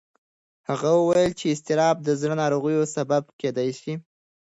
هغه وویل چې اضطراب د زړه ناروغیو سبب کېدی شي.